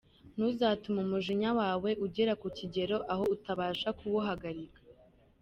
Ntuzatume umujinya wawe ugera ku kigero aho utabasha kuwuhagarika.